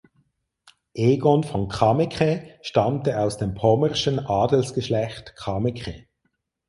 Egon von Kameke stammte aus dem pommerschen Adelsgeschlecht Kameke.